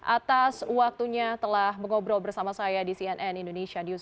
atas waktunya telah mengobrol bersama saya di cnn indonesia newsro